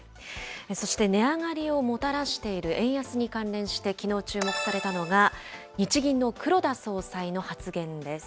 そして値上がりをもたらしている円安に関連して、きのう注目されたのが、日銀の黒田総裁の発言です。